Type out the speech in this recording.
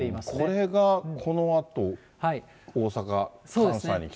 これがこのあと、大阪、関西に。